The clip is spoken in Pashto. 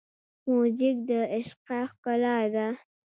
موزیک د عشقه ښکلا ده.